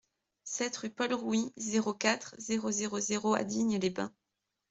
sept rue Paul Rouit, zéro quatre, zéro zéro zéro à Digne-les-Bains